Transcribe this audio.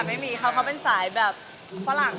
ไม่มีเขาเป็นสายฝรั่ง